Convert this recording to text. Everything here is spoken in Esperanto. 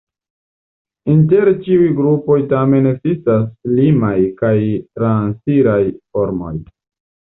Inter ĉiuj grupoj tamen ekzistas limaj kaj transiraj formoj.